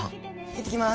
行ってきます。